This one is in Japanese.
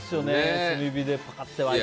炭火で、パカッと割って。